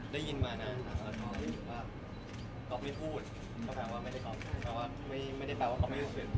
ได้ยินมานะครับว่ากรอบไม่พูดก็แปลว่าไม่ได้กรอบไม่ได้แปลว่ากรอบไม่รู้สึก